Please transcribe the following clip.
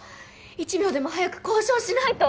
一秒でも早く交渉しないと！